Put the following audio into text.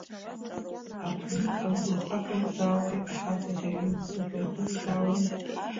Аԥдын амгәырха акымзаауеи, ахаҵа ӷьеҩ имцахә еиқәымзаауеи.